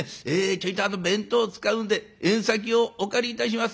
ちょいと弁当使うんで縁先をお借りいたします。